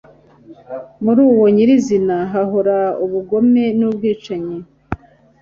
Muri wo nyirizina hahora ubugome n’ubwicanyi